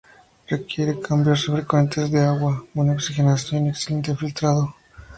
Requiere cambios frecuentes de agua, buena oxigenación y excelente filtrado.